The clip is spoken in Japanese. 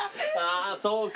あそうか。